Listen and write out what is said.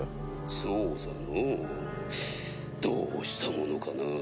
そうさのうどうしたものかな。